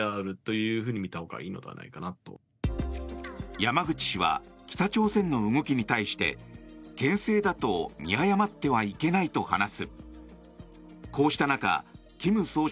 山口氏は北朝鮮の動きに対してけん制だと見誤ってはいけないと話す。